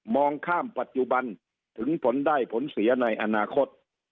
ข้ามปัจจุบันถึงผลได้ผลเสียในอนาคต